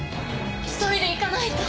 急いで行かないと。